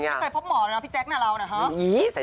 ไม่เคยพบหมอนะพี่แจ๊คหน่าเรา